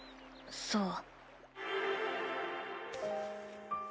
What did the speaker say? そう。